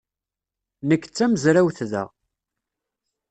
Nekk d tamezrawt da.